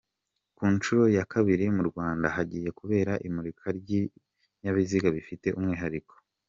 Ku nshuro ya kabiri mu Rwanda hagiye kubera imurika ry’ibinyabiziga bifite umwihariko.